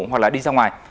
hoặc là đi ra ngoài